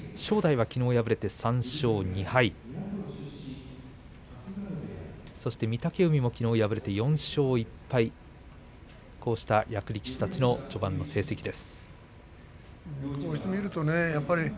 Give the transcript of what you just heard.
正代はきのう敗れて３勝２敗御嶽海もきのう敗れて４勝１敗こうした役力士たちの序盤の展開です。